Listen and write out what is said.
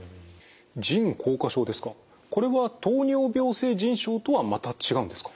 これは糖尿病性腎症とはまた違うんですか？